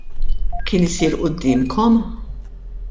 Kien isir quddiemkom?